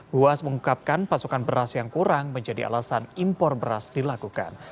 buas mengungkapkan pasokan beras yang kurang menjadi alasan impor beras dilakukan